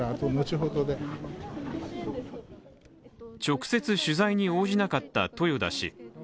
直接取材に応じなかった豊田氏。